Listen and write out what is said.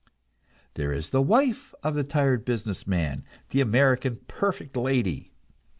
There is the wife of the tired business man, the American perfect lady.